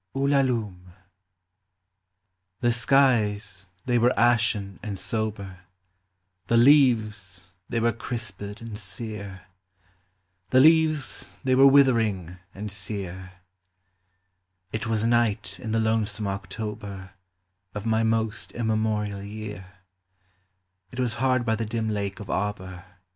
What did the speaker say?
ULALUME. The skies they were ashen and sober ; The leaves they were crisped and sere, The leaves they were withering and sere ; It was night in the lonesome October Of my most immemorial year ; It was hard by the dim lake of Auber.